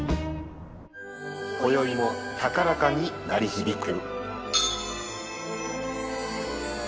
こよいも高らかに鳴り響く。